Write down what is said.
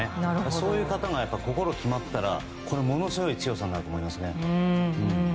そういう方が心決まったらものすごい強さになると思います。